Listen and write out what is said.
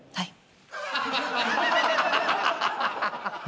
はい。